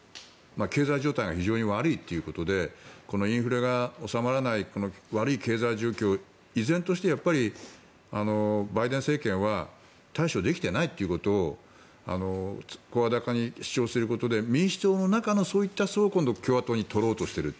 経済状態が非常に悪いということでインフレが収まらないこの悪い経済状況を依然としてバイデン政権は対処できていないということを声高に主張することで民主党の中のそういった層を今度は共和党に取ろうとしている。